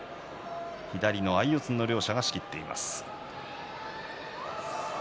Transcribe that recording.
左の相四つの両者が仕切っています。